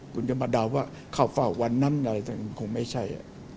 คุณจะมาเดาว่าเข้าเฝ้าวันนั้นคงไม่ใช่